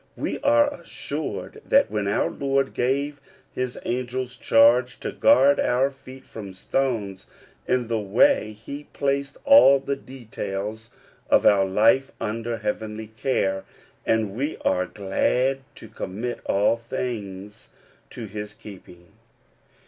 We are assured that, when our Lord gave his angels charge to guard our feet from stones in the way, he placed all the details of our life under heavenly care, and we are glad to commit all things to his keeping.